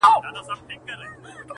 له مودو وروسته يې کرم او خرابات وکړ.